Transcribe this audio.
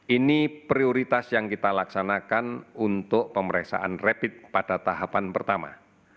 ini prioritas yang kita laksanakan untuk pemeriksaan rapid pada tahapan pertama